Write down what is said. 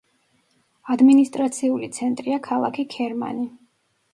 ადმინისტრაციული ცენტრია ქალაქი ქერმანი.